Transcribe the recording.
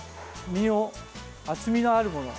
身に厚みのあるもの。